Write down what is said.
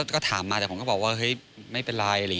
ก็ถามมาแต่ผมก็บอกว่าเฮ้ยไม่เป็นไร